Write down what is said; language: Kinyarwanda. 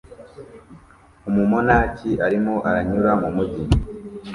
Umumonaki arimo aranyura mu mujyi